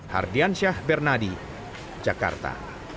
hardian syah bernadi jakarta